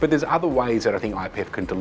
kalau anda mengambil data dalam perjalanan digital